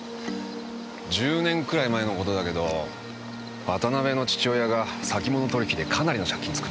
１０年くらい前のことだけど渡辺の父親が先物取引でかなりの借金作っちゃってね。